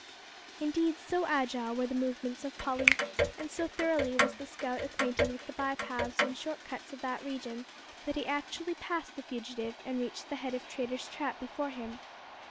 Indeed so agile were the movements of Polly, and so thoroughly was the scout acquainted with the by paths and short cuts of that region, that he actually passed the fugitive and reached the head of Traitor's Trap before him.